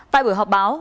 tại buổi họp báo